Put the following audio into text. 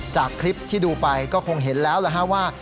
จากคลิปที่ดูไปก็คงเห็นแล้วว่า